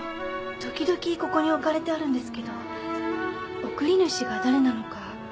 時々ここに置かれてあるんですけど送り主が誰なのか分からないんです。